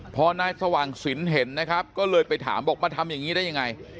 พอนายสว่างสินเห็นนะครับก็เลยไปถามบอกมาทำอย่างนี้ได้ยังไง